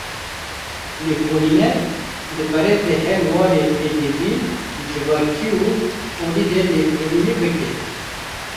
Lêkolîner, dikare di her warê edebî, civakî û olî de lêkolînê bike